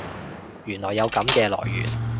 原來有噉嘅來源